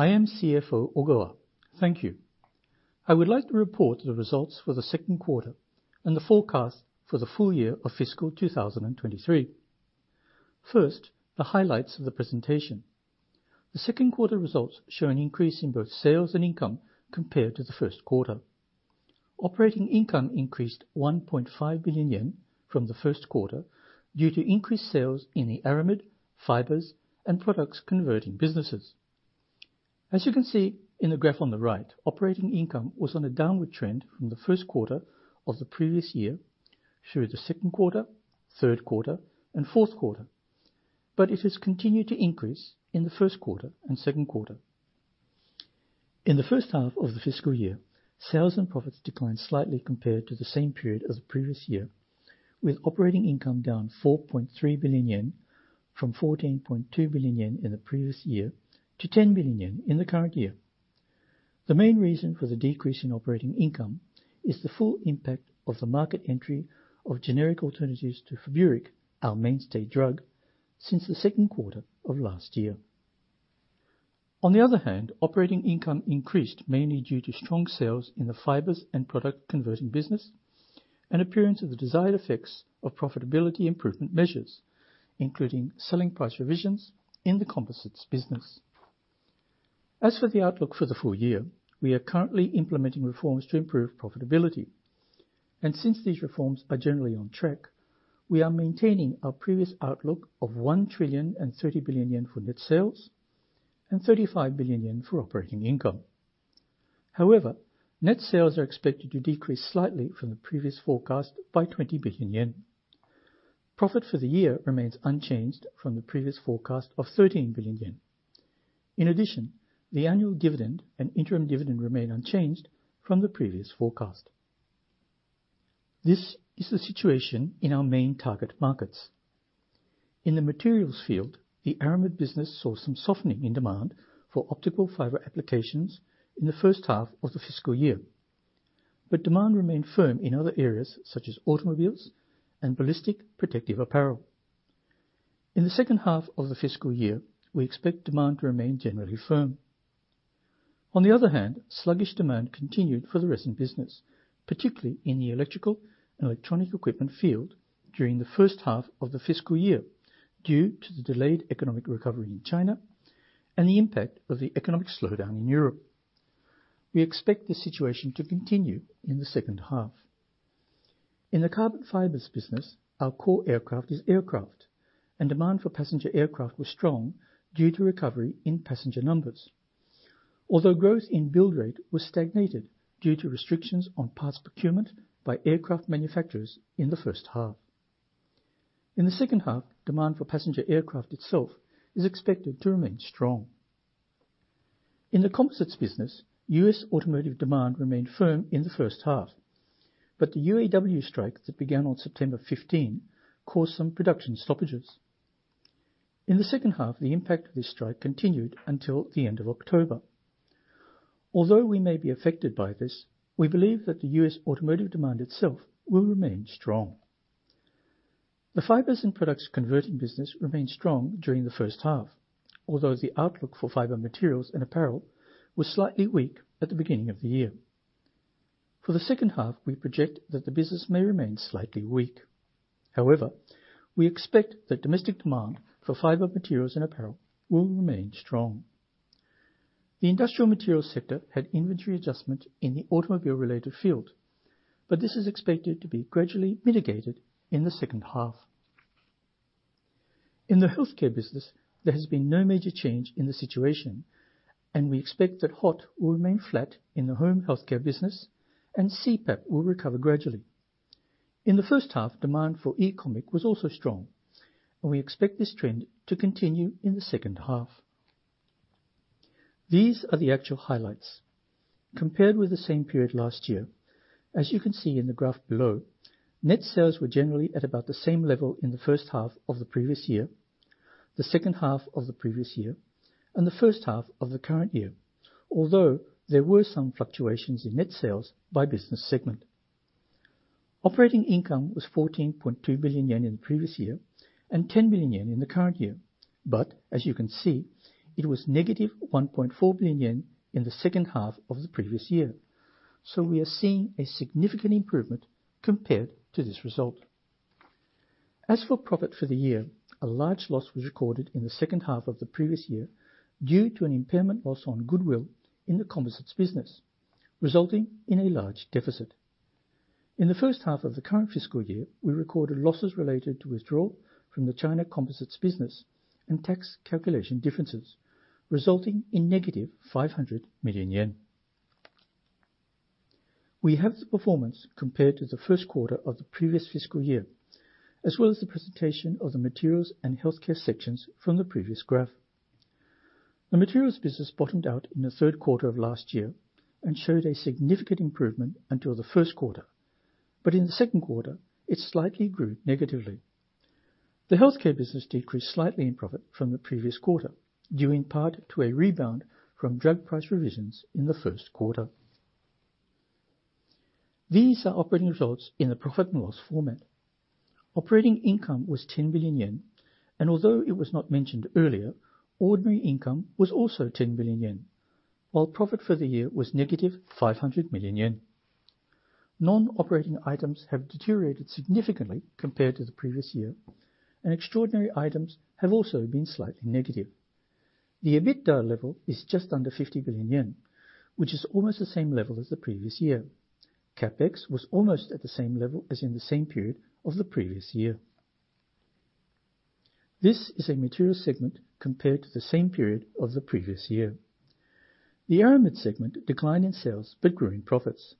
I am CFO Ogawa. Thank you. I would like to report the results for the Second Quarter and the Forecast for the Full Year of Fiscal 2023. First, the highlights of the presentation. The second quarter results show an increase in both sales and income compared to the first quarter. Operating income increased 1.5 billion yen from the first quarter due to increased sales in the aramid, fibers, and products converting businesses. As you can see in the graph on the right, operating income was on a downward trend from the first quarter of the previous year through the second quarter, third quarter, and fourth quarter, but it has continued to increase in the first quarter and second quarter. In the first half of the fiscal year, sales and profits declined slightly compared to the same period as the previous year, with operating income down 4.3 billion yen from 14.2 billion yen in the previous year to 10 billion yen in the current year. The main reason for the decrease in operating income is the full impact of the market entry of generic alternatives to Feburic, our mainstay drug, since the second quarter of last year. On the other hand, operating income increased mainly due to strong sales in the fibers and product converting business, and appearance of the desired effects of profitability improvement measures, including selling price revisions in the composites business. As for the outlook for the full year, we are currently implementing reforms to improve profitability, and since these reforms are generally on track, we are maintaining our previous outlook of 1,030 billion yen for net sales and 35 billion yen for operating income. However, net sales are expected to decrease slightly from the previous forecast by 20 billion yen. Profit for the year remains unchanged from the previous forecast of 13 billion yen. In addition, the annual dividend and interim dividend remain unchanged from the previous forecast. This is the situation in our main target markets. In the materials field, the Aramid business saw some softening in demand for optical fiber applications in the first half of the fiscal year, but demand remained firm in other areas such as automobiles and ballistic protective apparel. In the second half of the fiscal year, we expect demand to remain generally firm. On the other hand, sluggish demand continued for the resin business, particularly in the electrical and electronic equipment field during the first half of the fiscal year, due to the delayed economic recovery in China and the impact of the economic slowdown in Europe. We expect the situation to continue in the second half. In the carbon fibers business, our core application is aircraft, and demand for passenger aircraft was strong due to recovery in passenger numbers. Although growth in build rate was stagnated due to restrictions on parts procurement by aircraft manufacturers in the first half. In the second half, demand for passenger aircraft itself is expected to remain strong. In the composites business, U.S. automotive demand remained firm in the first half, but the UAW strike that began on 15 September caused some production stoppages. In the second half, the impact of this strike continued until the end of October. Although we may be affected by this, we believe that the U.S. automotive demand itself will remain strong. The fibers and products converting business remained strong during the first half, although the outlook for fiber materials and apparel was slightly weak at the beginning of the year. For the second half, we project that the business may remain slightly weak. However, we expect that domestic demand for fiber materials and apparel will remain strong. The industrial materials sector had inventory adjustment in the automobile-related field, but this is expected to be gradually mitigated in the second half. In the healthcare business, there has been no major change in the situation, and we expect that HOT will remain flat in the home healthcare business and CPAP will recover gradually. In the first half, demand for e-comic was also strong, and we expect this trend to continue in the second half. These are the actual highlights. Compared with the same period last year, as you can see in the graph below, net sales were generally at about the same level in the first half of the previous year, the second half of the previous year, and the first half of the current year, although there were some fluctuations in net sales by business segment. Operating income was 14.2 billion yen in the previous year and 10 billion yen in the current year. As you can see, it was -1.4 billion yen in the second half of the previous year. So we are seeing a significant improvement compared to this result. As for profit for the year, a large loss was recorded in the second half of the previous year due to an impairment loss on goodwill in the composites business, resulting in a large deficit. In the first half of the current fiscal year, we recorded losses related to withdrawal from the China composites business and tax calculation differences, resulting in -500 million yen. We have the performance compared to the first quarter of the previous fiscal year, as well as the presentation of the materials and healthcare sections from the previous graph. The materials business bottomed out in the third quarter of last year and showed a significant improvement until the first quarter, but in the second quarter, it slightly grew negatively. The healthcare business decreased slightly in profit from the previous quarter, due in part to a rebound from drug price revisions in the first quarter. These are operating results in the profit and loss format. Operating income was 10 billion yen, and although it was not mentioned earlier, ordinary income was also 10 billion yen, while profit for the year was -500 million yen. Non-operating items have deteriorated significantly compared to the previous year, and extraordinary items have also been slightly negative. The EBITDA level is just under 50 billion yen, which is almost the same level as the previous year. CapEx was almost at the same level as in the same period of the previous year. This is a material segment compared to the same period of the previous year. The Aramid segment declined in sales, but grew in profits.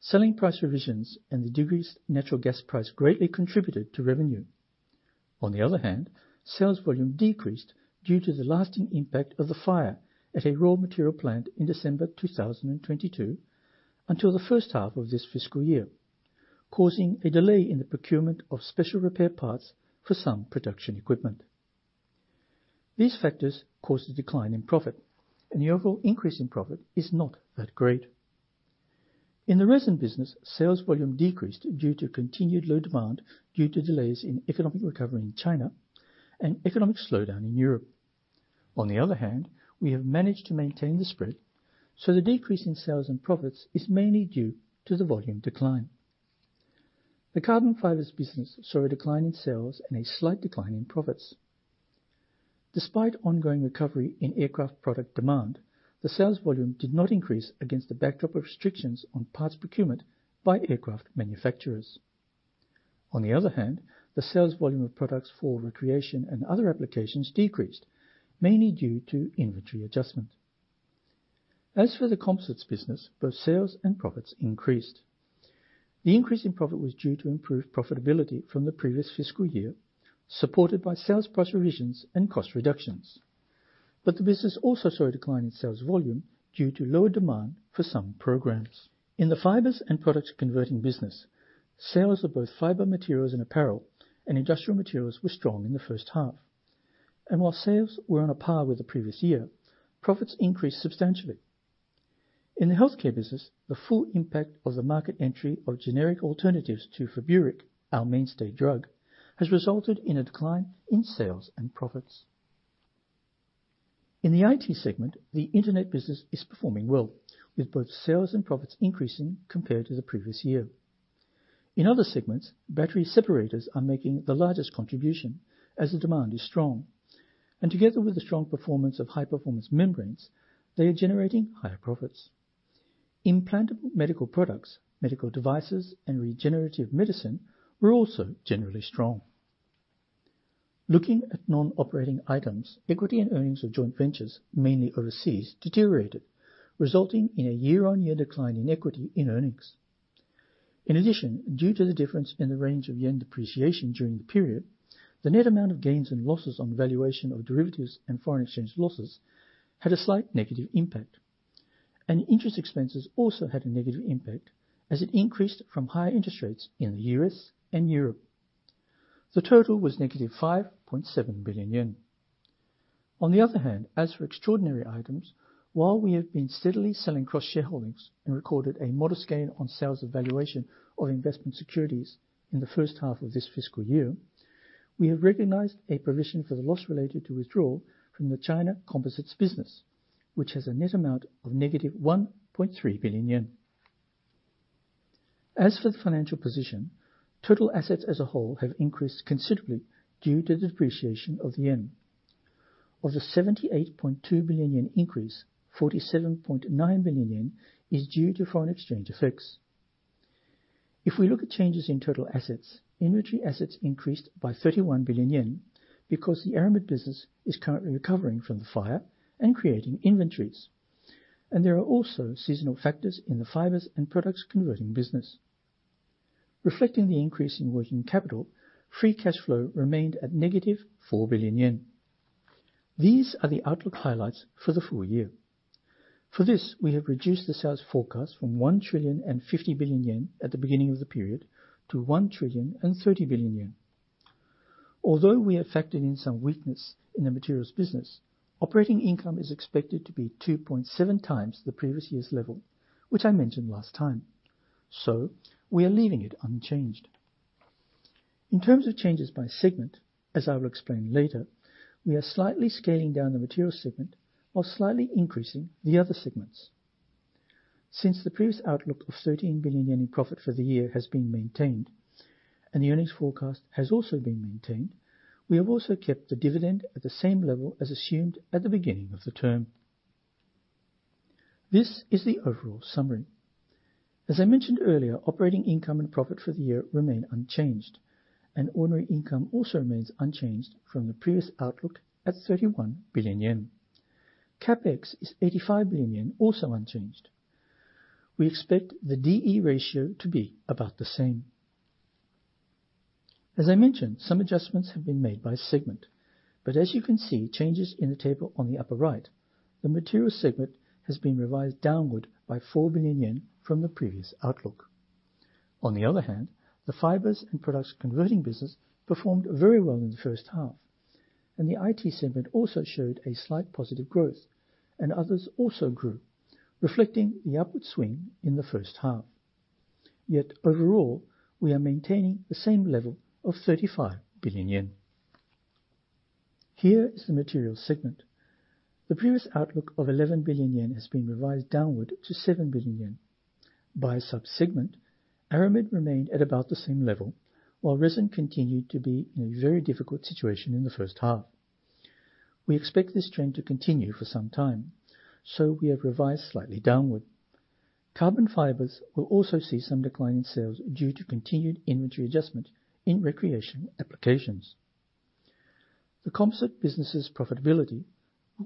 Selling price revisions and the decreased natural gas price greatly contributed to revenue. On the other hand, sales volume decreased due to the lasting impact of the fire at a raw material plant in December 2022, until the first half of this fiscal year, causing a delay in the procurement of special repair parts for some production equipment. These factors caused a decline in profit, and the overall increase in profit is not that great. In the resin business, sales volume decreased due to continued low demand, due to delays in economic recovery in China and economic slowdown in Europe. On the other hand, we have managed to maintain the spread, so the decrease in sales and profits is mainly due to the volume decline. The carbon fibers business saw a decline in sales and a slight decline in profits. Despite ongoing recovery in aircraft product demand, the sales volume did not increase against the backdrop of restrictions on parts procurement by aircraft manufacturers. On the other hand, the sales volume of products for recreation and other applications decreased, mainly due to inventory adjustment. As for the composites business, both sales and profits increased. The increase in profit was due to improved profitability from the previous fiscal year, supported by sales price revisions and cost reductions. But the business also saw a decline in sales volume due to lower demand for some programs. In the fibers and products converting business, sales of both fiber materials and apparel and industrial materials were strong in the first half, and while sales were on a par with the previous year, profits increased substantially. In the healthcare business, the full impact of the market entry of generic alternatives to Feburic, our mainstay drug, has resulted in a decline in sales and profits. In the IT segment, the internet business is performing well, with both sales and profits increasing compared to the previous year. In other segments, battery separators are making the largest contribution as the demand is strong, and together with the strong performance of high-performance membranes, they are generating higher profits. Implantable medical products, medical devices, and regenerative medicine were also generally strong. Looking at non-operating items, equity in earnings of joint ventures, mainly overseas, deteriorated, resulting in a year-on-year decline in equity in earnings. In addition, due to the difference in the range of yen depreciation during the period, the net amount of gains and losses on valuation of derivatives and foreign exchange losses had a slight negative impact, and interest expenses also had a negative impact as it increased from higher interest rates in the U.S. and Europe. The total was -5.7 billion yen. On the other hand, as for extraordinary items, while we have been steadily selling cross-shareholdings and recorded a modest gain on sales of valuation of investment securities in the first half of this fiscal year, we have recognized a provision for the loss related to withdrawal from the China composites business, which has a net amount of -1.3 billion yen. As for the financial position, total assets as a whole have increased considerably due to the depreciation of the yen. Of the 78.2 billion yen increase, 47.9 billion yen is due to foreign exchange effects. If we look at changes in total assets, inventory assets increased by 31 billion yen because the Aramid business is currently recovering from the fire and creating inventories, and there are also seasonal factors in the fibers and products converting business. Reflecting the increase in working capital, free cash flow remained at -4 billion yen. These are the outlook highlights for the full year. For this, we have reduced the sales forecast from 1,050 billion yen at the beginning of the period to 1,030 billion yen. Although we have factored in some weakness in the materials business, operating income is expected to be 2.7 times the previous year's level, which I mentioned last time, so we are leaving it unchanged. In terms of changes by segment, as I will explain later, we are slightly scaling down the materials segment while slightly increasing the other segments. Since the previous outlook of 13 billion yen in profit for the year has been maintained and the earnings forecast has also been maintained, we have also kept the dividend at the same level as assumed at the beginning of the term. This is the overall summary. As I mentioned earlier, operating income and profit for the year remain unchanged, and ordinary income also remains unchanged from the previous outlook at 31 billion yen. CapEx is 85 billion yen, also unchanged. We expect the D/E ratio to be about the same. As I mentioned, some adjustments have been made by segment, but as you can see, changes in the table on the upper right, the materials segment has been revised downward by 4 billion yen from the previous outlook. On the other hand, the fibers and products converting business performed very well in the first half and the IT segment also showed a slight positive growth, and others also grew, reflecting the upward swing in the first half. Yet overall, we are maintaining the same level of 35 billion yen. Here is the material segment. The previous outlook of 11 billion yen has been revised downward to 7 billion yen. By sub-segment, aramid remained at about the same level, while resin continued to be in a very difficult situation in the first half. We expect this trend to continue for some time, so we have revised slightly downward. Carbon fibers will also see some decline in sales due to continued inventory adjustment in recreation applications. The composites business's profitability will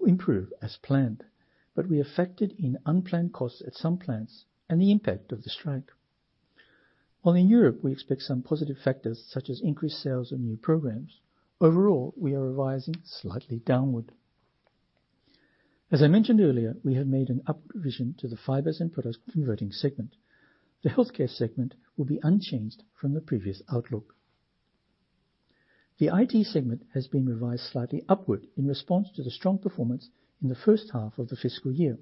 improve as planned, but we are affected in unplanned costs at some plants and the impact of the strike. While in Europe, we expect some positive factors, such as increased sales and new programs, overall, we are revising slightly downward. As I mentioned earlier, we have made an upward revision to the fibers and products converting segment. The healthcare segment will be unchanged from the previous outlook. The IT segment has been revised slightly upward in response to the strong performance in the first half of the fiscal year,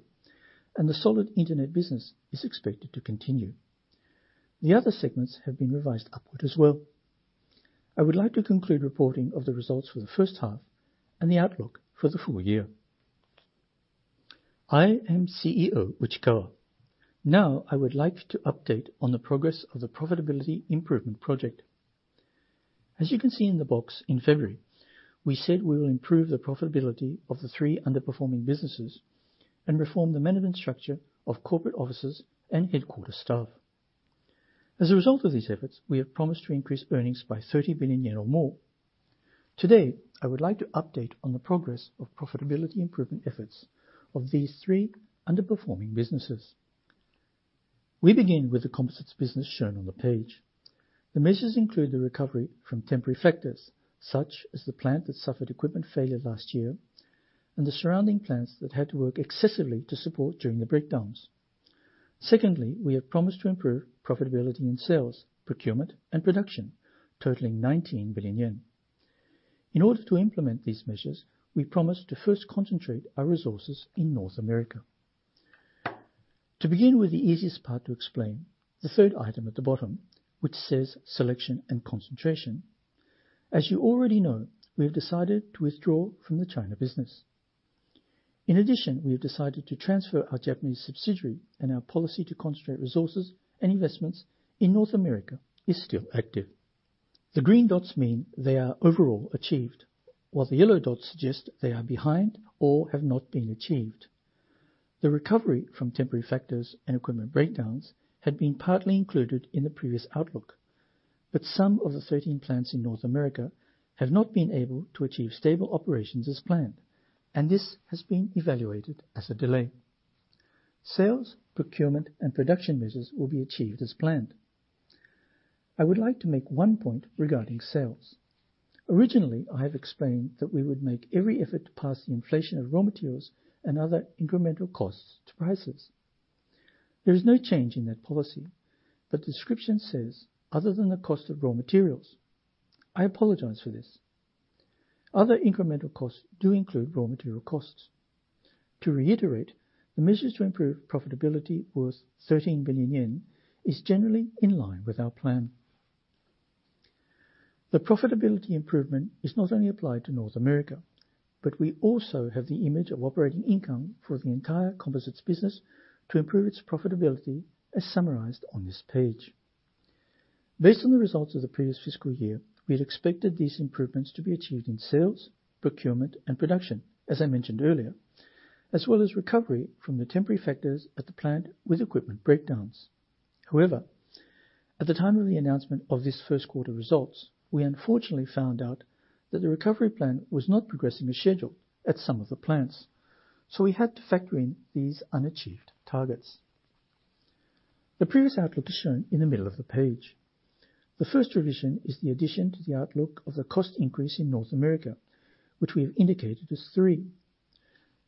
and the solid internet business is expected to continue. The other segments have been revised upward as well. I would like to conclude reporting of the results for the first half and the outlook for the full year. I am CEO Uchikawa. Now, I would like to update on the progress of the profitability improvement project. As you can see in the box, in February, we said we will improve the profitability of the three underperforming businesses and reform the management structure of corporate offices and headquarters staff. As a result of these efforts, we have promised to increase earnings by 30 billion yen or more. Today, I would like to update on the progress of profitability improvement efforts of these three underperforming businesses. We begin with the composites business shown on the page. The measures include the recovery from temporary factors, such as the plant that suffered equipment failure last year and the surrounding plants that had to work excessively to support during the breakdowns. Secondly, we have promised to improve profitability in sales, procurement, and production, totaling 19 billion yen. In order to implement these measures, we promise to first concentrate our resources in North America. To begin with, the easiest part to explain, the third item at the bottom, which says selection and concentration. As you already know, we have decided to withdraw from the China business. In addition, we have decided to transfer our Japanese subsidiary, and our policy to concentrate resources and investments in North America is still active. The green dots mean they are overall achieved, while the yellow dots suggest they are behind or have not been achieved. The recovery from temporary factors and equipment breakdowns had been partly included in the previous outlook, but some of the 13 plants in North America have not been able to achieve stable operations as planned, and this has been evaluated as a delay. Sales, procurement, and production measures will be achieved as planned. I would like to make one point regarding sales. Originally, I have explained that we would make every effort to pass the inflation of raw materials and other incremental costs to prices. There is no change in that policy, but the description says, "Other than the cost of raw materials." I apologize for this. Other incremental costs do include raw material costs. To reiterate, the measures to improve profitability worth 13 billion yen is generally in line with our plan. The profitability improvement is not only applied to North America, but we also have the image of operating income for the entire composites business to improve its profitability, as summarized on this page. Based on the results of the previous fiscal year, we had expected these improvements to be achieved in sales, procurement, and production, as I mentioned earlier, as well as recovery from the temporary factors at the plant with equipment breakdowns. However, at the time of the announcement of this first quarter results, we unfortunately found out that the recovery plan was not progressing as scheduled at some of the plants, so we had to factor in these unachieved targets. The previous outlook is shown in the middle of the page. The first revision is the addition to the outlook of the cost increase in North America, which we have indicated as three.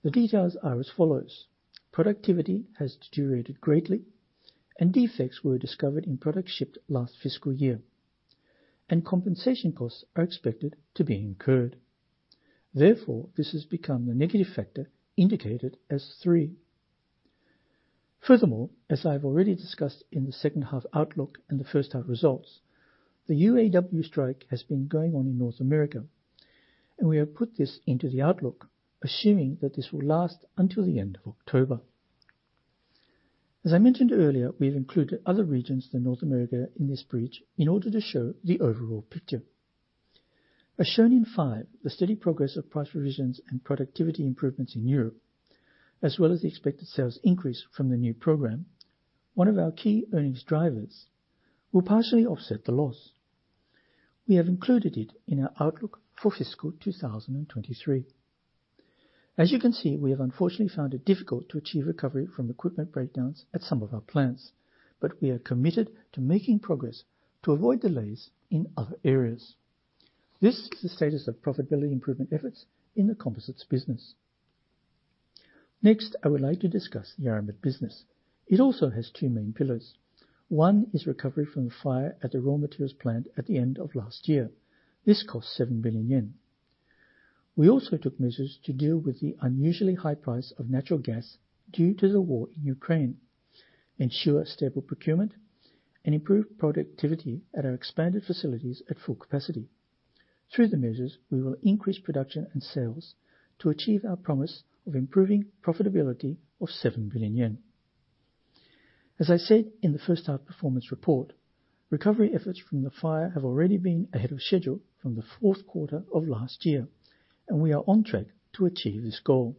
The details are as follows: Productivity has deteriorated greatly, and defects were discovered in products shipped last fiscal year, and compensation costs are expected to be incurred. Therefore, this has become the negative factor indicated as three. Furthermore, as I have already discussed in the second half outlook and the first half results, the UAW strike has been going on in North America, and we have put this into the outlook, assuming that this will last until the end of October. As I mentioned earlier, we've included other regions than North America in this brief in order to show the overall picture. As shown in five, the steady progress of price revisions and productivity improvements in Europe, as well as the expected sales increase from the new program, one of our key earnings drivers, will partially offset the loss. We have included it in our outlook for fiscal 2023. As you can see, we have unfortunately found it difficult to achieve recovery from equipment breakdowns at some of our plants, but we are committed to making progress to avoid delays in other areas. This is the status of profitability improvement efforts in the composites business. Next, I would like to discuss the Aramid business. It also has two main pillars. One is recovery from the fire at the raw materials plant at the end of last year. This cost 7 billion yen. We also took measures to deal with the unusually high price of natural gas due to the war in Ukraine, ensure stable procurement, and improve productivity at our expanded facilities at full capacity. Through the measures, we will increase production and sales to achieve our promise of improving profitability of 7 billion yen. As I said in the first half performance report, recovery efforts from the fire have already been ahead of schedule from the fourth quarter of last year, and we are on track to achieve this goal.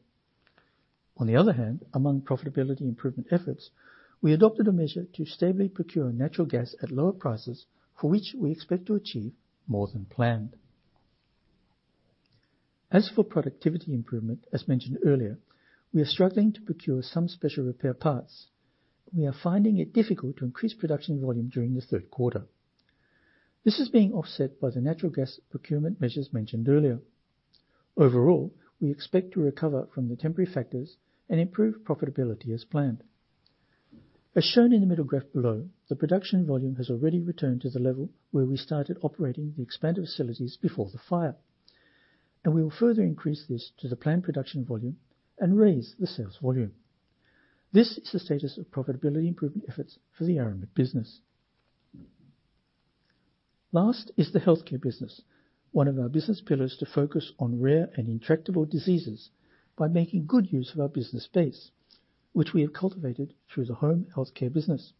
On the other hand, among profitability improvement efforts, we adopted a measure to stably procure natural gas at lower prices, for which we expect to achieve more than planned. As for productivity improvement, as mentioned earlier, we are struggling to procure some special repair parts. We are finding it difficult to increase production volume during the third quarter. This is being offset by the natural gas procurement measures mentioned earlier. Overall, we expect to recover from the temporary factors and improve profitability as planned. As shown in the middle graph below, the production volume has already returned to the level where we started operating the expanded facilities before the fire, and we will further increase this to the planned production volume and raise the sales volume. This is the status of profitability improvement efforts for the Aramid business. Last is the healthcare business, one of our business pillars to focus on rare and intractable diseases by making good use of our business base, which we have cultivated through the home healthcare business.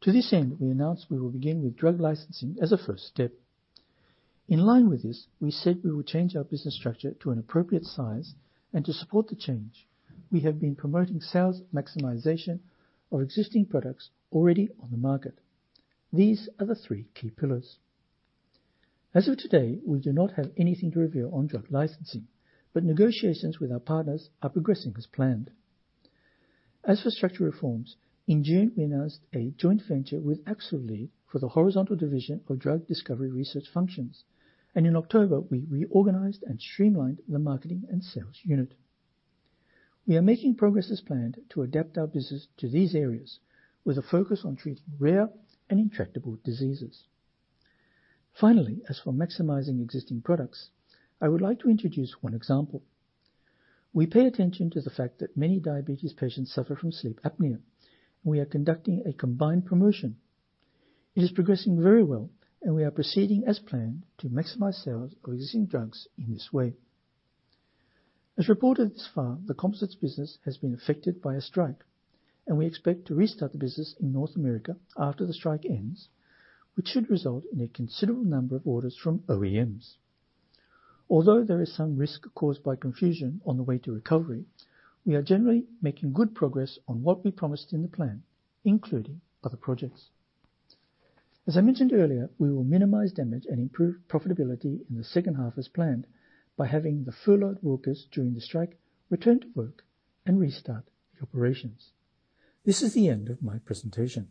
To this end, we announced we will begin with drug licensing as a first step. In line with this, we said we will change our business structure to an appropriate size, and to support the change, we have been promoting sales maximization of existing products already on the market. These are the three key pillars. As of today, we do not have anything to reveal on drug licensing, but negotiations with our partners are progressing as planned. As for structural reforms, in June, we announced a joint venture with Axcelead for the horizontal division of drug discovery research functions, and in October, we reorganized and streamlined the marketing and sales unit. We are making progress as planned to adapt our business to these areas, with a focus on treating rare and intractable diseases. Finally, as for maximizing existing products, I would like to introduce one example. We pay attention to the fact that many diabetes patients suffer from sleep apnea. We are conducting a combined promotion. It is progressing very well, and we are proceeding as planned to maximize sales of existing drugs in this way. As reported thus far, the composites business has been affected by a strike, and we expect to restart the business in North America after the strike ends, which should result in a considerable number of orders from OEMs. Although there is some risk caused by confusion on the way to recovery, we are generally making good progress on what we promised in the plan, including other projects. As I mentioned earlier, we will minimize damage and improve profitability in the second half as planned, by having the furloughed workers during the strike return to work and restart the operations. This is the end of my presentation.